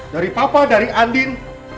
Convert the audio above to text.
dari papa dari andin